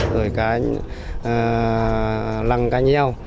rồi cá lăng cá nheo